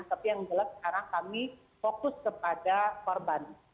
tapi yang jelas sekarang kami fokus kepada korban